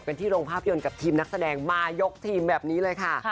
ที่โรงภาพยนตร์กับทีมนักแสดงมายกทีมแบบนี้เลยค่ะ